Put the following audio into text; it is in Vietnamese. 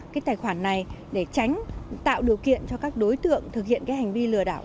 cái tài khoản này để tránh tạo điều kiện cho các đối tượng thực hiện cái hành vi lừa đảo